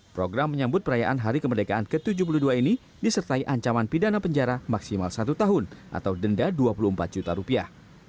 program menyambut perayaan hari kemerdekaan ke tujuh puluh dua ini disertai ancaman pidana penjara maksimal satu tahun atau denda dua puluh empat juta rupiah